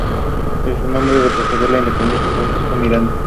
Debe su nombre al prócer de la independencia, Francisco de Miranda.